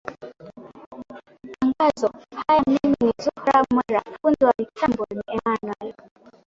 angazo haya mimi ni zuhra mwera fundi wa mitambo ni emanuel